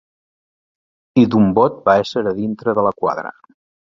...i d'un bot va ésser a dintre de la quadra.